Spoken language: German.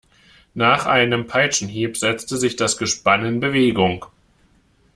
Nach einem Peitschenhieb setzte sich das Gespann in Bewegung.